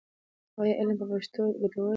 ایا علم په پښتو ګټور دی؟